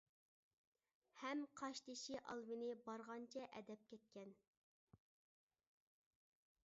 ھەم قاشتېشى ئالۋىنى بارغانچە ئەدەپ كەتكەن.